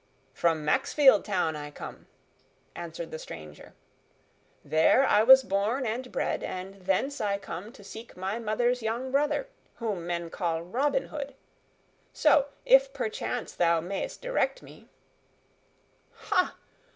"From Maxfield Town I come," answered the stranger. "There was I born and bred, and thence I come to seek my mother's young brother, whom men call Robin Hood. So, if perchance thou mayst direct me " "Ha!